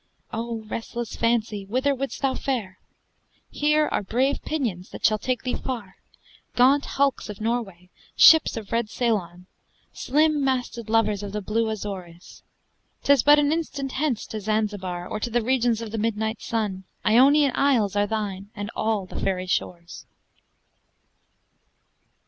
O restless Fancy, whither wouldst thou fare? Here are brave pinions that shall take thee far Gaunt hulks of Norway; ships of red Ceylon; Slim masted lovers of the blue Azores! 'Tis but an instant hence to Zanzibar, Or to the regions of the Midnight Sun: Ionian isles are thine, and all the fairy shores!